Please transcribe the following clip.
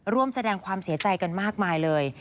ร่วมแสดงความเสียใจกันมากมายเลย